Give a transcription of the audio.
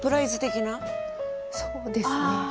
そうですねはい。